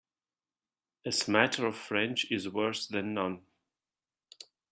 A smatter of French is worse than none.